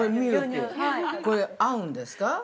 ◆これ合うんですか？